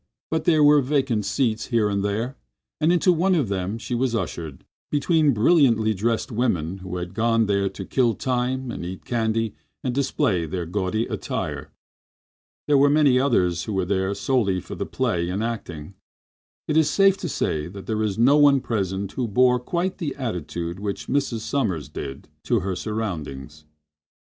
But there were vacant seats here and there, and into one of them she was ushered, between brilliantly dressed women who had gone there to kill time and eat candy and display their gaudy attire. There were many others who were there solely for the play and acting. It is safe to say there was no one present who bore quite the attitude which Mrs. Sommers did to her surroundings.